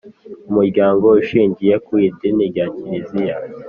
Umuryango ushingiye ku idini rya kiliziya